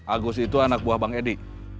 agus itu anak buah bang edi